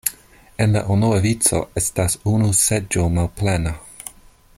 En la unua vico estas unu seĝo malplena.